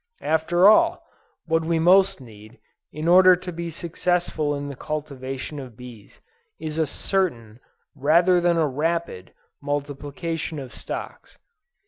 After all, what we most need, in order to be successful in the cultivation of bees, is a certain, rather than a rapid multiplication of stocks.